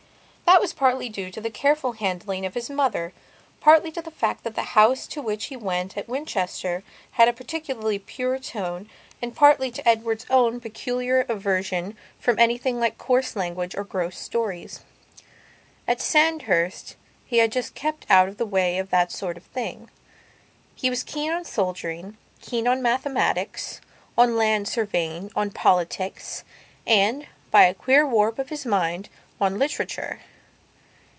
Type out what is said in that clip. That was partly due to the careful handling of his mother, partly to the fact that the house to which he went at Winchester had a particularly pure tone and partly to Edward's own peculiar aversion from anything like coarse language or gross stories. At Sandhurst he had just kept out of the way of that sort of thing. He was keen on soldiering, keen on mathematics, on land surveying, on politics and, by a queer warp of his mind, on literature.